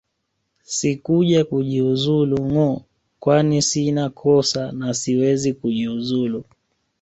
Sikuja kujiuzulu ngo kwani sina kosa na siwezi kujiuzulu